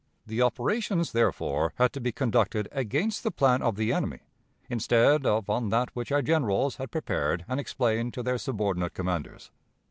The operations, therefore, had to be conducted against the plan of the enemy, instead of on that which our generals had prepared and explained to their subordinate commanders.